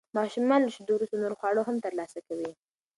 ماشومان له شیدو وروسته نور خواړه هم ترلاسه کوي.